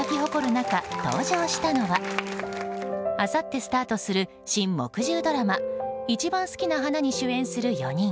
中登場したのはあさってスタートする新木１０ドラマ「いちばんすきな花」に主演する４人。